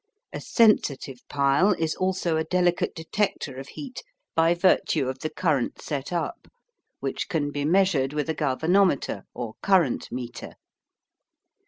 A sensitive pile is also a delicate detector of heat by virtue of the current set up, which can be measured with a galvanometer or current meter.